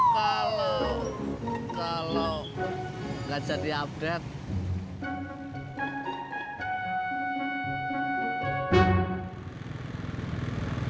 kalau nggak jadi update